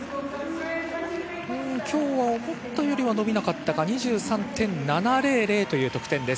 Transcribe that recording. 今日は思ったより伸びなかったか、２３．７００です。